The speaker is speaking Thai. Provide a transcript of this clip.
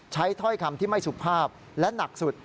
ถ้อยคำที่ไม่สุภาพและหนักสุด